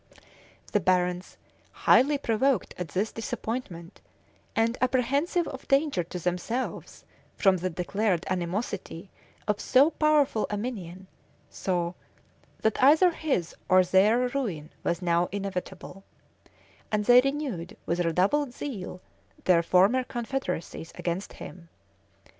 {1312.} The barons, highly provoked at this disappointment, and apprehensive of danger to themselves from the declared animosity of so powerful a minion, saw that either his or their ruin was now inevitable; and they renewed with redoubled zeal their former confederacies against him.